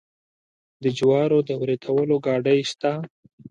د جوارو د وریتولو ګاډۍ شته.